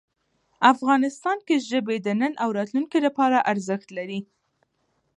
افغانستان کې ژبې د نن او راتلونکي لپاره ارزښت لري.